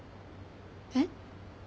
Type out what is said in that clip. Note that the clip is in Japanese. えっ？